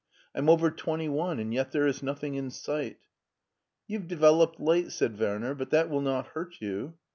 I'm over twenty one, and yet there is nothing in sight." You've developed late," said Werner; "but that will not hurt you."